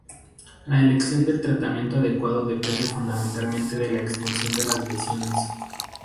La elección del tratamiento adecuado depende fundamentalmente de la extensión de las lesiones.